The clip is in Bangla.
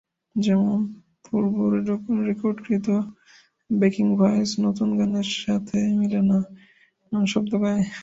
যেমন, পূর্ব রেকর্ডকৃত ব্যাকিং ভয়েস নতুন গানের সাথে মিলে না এমন শব্দ গায়।